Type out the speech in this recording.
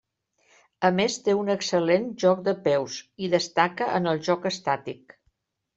A més té un excel·lent joc de peus, i destaca en el joc estàtic.